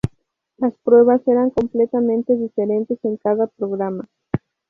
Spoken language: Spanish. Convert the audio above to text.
Las pruebas eran completamente diferentes en cada programa.